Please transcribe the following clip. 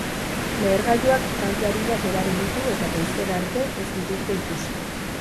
Lehergailuak kalte arinak eragin ditu eta goizera arte ez dituzte ikusi.